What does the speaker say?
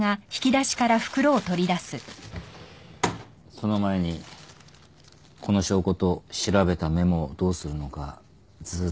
その前にこの証拠と調べたメモをどうするのかずっと悩んできた。